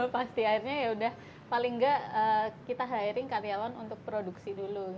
pasti akhirnya yaudah paling nggak kita hiring karyawan untuk produksi dulu